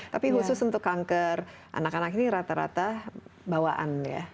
tapi khusus untuk kanker anak anak ini rata rata bawaan ya